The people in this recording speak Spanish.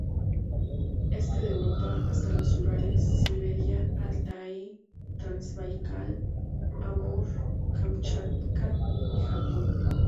Este de Europa hasta los Urales, Siberia, Altái, Transbaikal, Amur, Kamchatka y Japón.